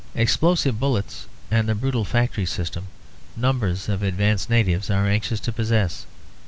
Explosive bullets and the brutal factory system numbers of advanced natives are anxious to possess.